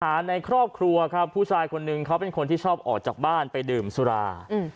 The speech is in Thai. ในครอบครัวครับผู้ชายคนนึงเขาเป็นคนที่ชอบออกจากบ้านไปดื่มสุราอืม